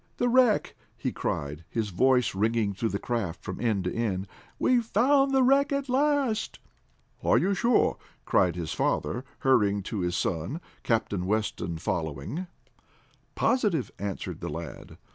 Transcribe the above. The wreck!" he cried, his voice ringing through the craft from end to end. "We've found the wreck at last!" "Are you sure?" cried his father, hurrying to his son, Captain Weston following. "Positive," answered the lad.